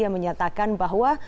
yang menyatakan bahwa